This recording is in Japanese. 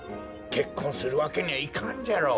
けっこんするわけにはいかんじゃろ。